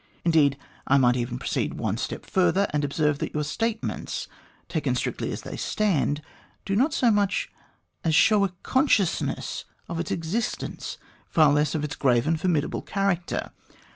Indeed, I might even proceed one step further, and observe that your statements, taken strictly as they stand, do not so much as show a consciousness of its existence, far less of its grave and formidable character.